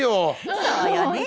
そうよね。